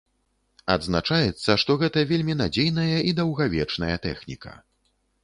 Адзначаецца, што гэта вельмі надзейная і даўгавечная тэхніка.